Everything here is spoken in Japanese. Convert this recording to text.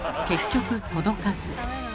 結局届かず。